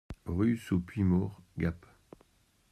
Rue sous Puymaure, Gap